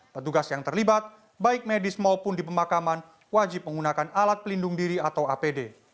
petugas yang terlibat baik medis maupun di pemakaman wajib menggunakan alat pelindung diri atau apd